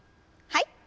はい。